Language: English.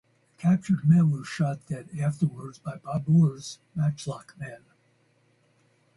The captured men were shot dead afterwards by Babur’s matchlock men.